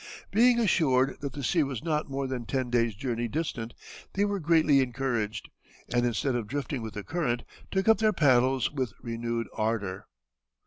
Being assured that the sea was not more than ten days' journey distant, they were greatly encouraged, and instead of drifting with the current, took up their paddles with renewed ardor.